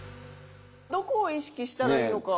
どこを意識したらいいのか？